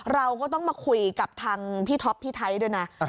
เราก็ต้องมาคุยกับทางพี่ท็อปพี่ไทยด้วยนะ